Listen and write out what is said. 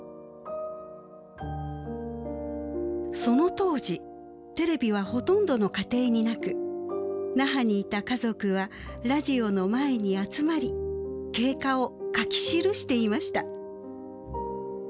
その当時テレビはほとんどの家庭になく那覇にいた家族はラジオの前に集まり経過を書き記していました。